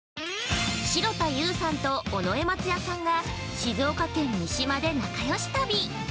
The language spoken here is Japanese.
◆城田優さんと尾上松也さんが静岡県・三島で仲よし旅。